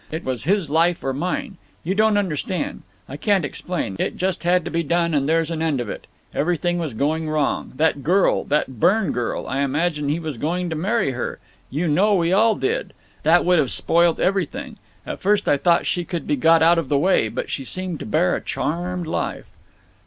It was his life or mine. You don't understand. I can't explain. It just had to be done, and there's an end of it. Everything was going wrong. That girl, that Byrne girl, I imagined he was going to marry her. You know we all did. That would have spoilt everything. At first I thought she could be got out of the way, but she seemed to bear a charmed life."